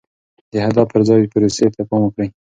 د هدف پر ځای پروسې ته پام وکړئ.